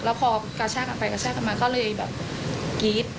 แล้วพอกระชากกันไปกระแทกกันมาก็เลยแบบกรี๊ด